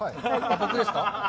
僕ですか？